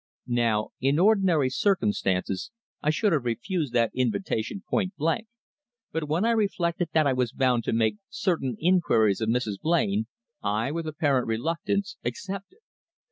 Now, in ordinary circumstances I should have refused that invitation point blank, but when I reflected that I was bound to make certain inquiries of Mrs. Blain, I, with apparent reluctance, accepted.